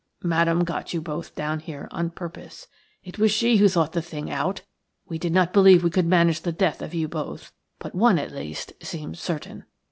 Madame got you both down here on purpose. It was she who thought the thing out; we did not believe we could manage the death of you both, but one at least seemed certain.